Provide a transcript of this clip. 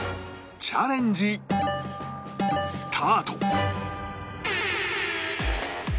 チャレンジスタート